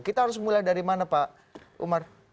kita harus mulai dari mana pak umar